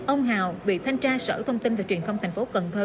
ông hào bị thanh tra sở thông tin và truyền thông thành phố cần thơ